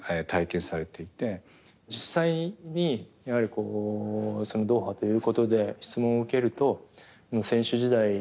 実際にやはりこうドーハということで質問を受けると選手時代